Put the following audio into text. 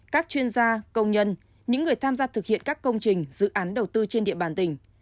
các chuyên gia công nhân những người tham gia thực hiện các công trình dự án đầu tư trên địa bàn tỉnh